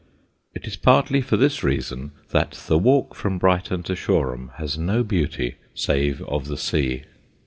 It is partly for this reason that the walk from Brighton to Shoreham has no beauty save of the sea.